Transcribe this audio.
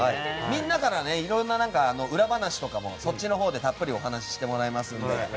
みんなからいろんな裏話とかもたっぷりお話ししてもらいますので。